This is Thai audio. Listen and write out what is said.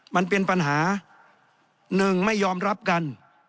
มันเป็นปัญหาหนึ่งไม่ยอมรับกัน